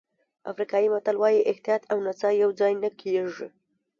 افریقایي متل وایي احتیاط او نڅا یوځای نه کېږي.